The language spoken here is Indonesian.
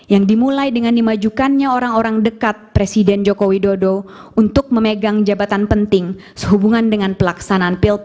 yang dimulai dengan dimajukannya orang orang dekat presiden joko widodo untuk memegang jabatan penting sehubungan dengan pelaksanaan pilkada